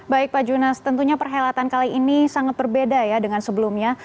baik pak junas tentunya perhelatan kali ini sangat berbeda ya dengan sebelumnya